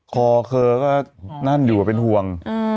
คอเธอก็นั่นอยู่เป็นห่วง